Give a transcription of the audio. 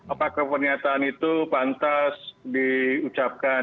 apakah pernyataan itu pantas diucapkan